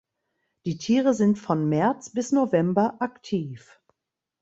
Die Tiere sind von März bis November aktiv.